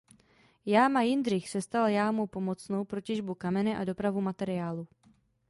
Jáma Jindřich se stala jámou pomocnou pro těžbu kamene a dopravu materiálu.